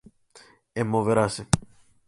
E moverase.